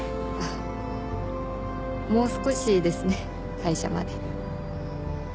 もう少しですね退社まで。